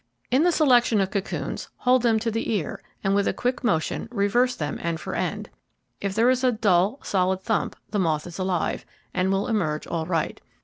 In the selection of cocoons, hold them to the ear, and with a quick motion reverse them end for end. If there is a dull, solid thump, the moth is alive, and will emerge all right.